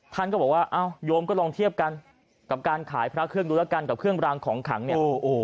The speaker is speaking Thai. ท่านก็บอกว่าอ้าวโยมก็ลองเทียบกันกับการขายพระเครื่องดูแล้วกันกับเครื่องรางของขังเนี่ย